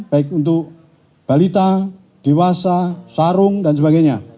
baik untuk balita dewasa sarung dan sebagainya